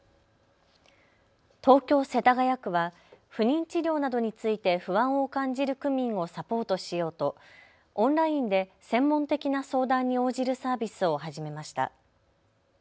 東京世田谷区は不妊治療などについて不安を感じる区民をサポートしようとオンラインで専門的な相談に応じるサービスを始めました。